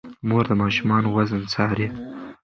مور د ماشومانو وزن څاري.